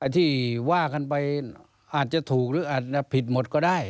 ที่ว่ากันไปอาจจะถูกหรืออาจจะผิดหมดก็ได้